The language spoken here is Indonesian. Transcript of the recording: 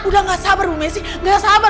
udah gak sabar bu messi gak sabar